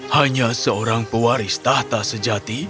hanya seorang pewaris tahta sejati